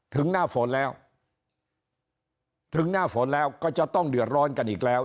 ถึงหน้าฝนแล้วถึงหน้าฝนแล้วก็จะต้องเดือดร้อนกันอีกแล้ว